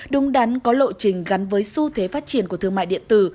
đúng đắn có lộ trình gắn với xu thế phát triển của thương mại điện tử